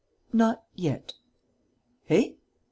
"Not yet." "Eh?"